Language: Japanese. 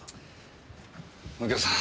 右京さん